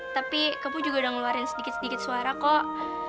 tapi kepu juga udah ngeluarin sedikit sedikit suara kok